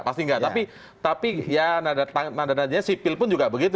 pasti nggak tapi tapi ya nadanya sipil pun juga begitu